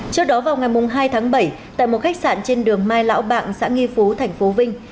trước đó vào ngày hai tháng bảy tại một khách sạn trên đường mai lão bảng xã nghi phú thành phố vinh